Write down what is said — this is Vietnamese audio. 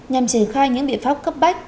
nhằm triển khai những biện pháp cấp bách